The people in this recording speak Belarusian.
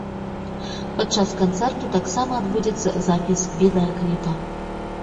Падчас канцэрту таксама адбудзецца запіс відэакліпа.